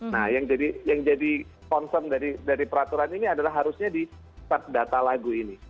nah yang jadi concern dari peraturan ini adalah harusnya di empat data lagu ini